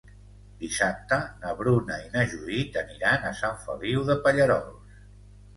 Dissabte na Bruna i na Judit aniran a Sant Feliu de Pallerols.